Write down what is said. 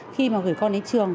khi mà gửi con đến trường